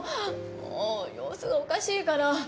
もう様子がおかしいから。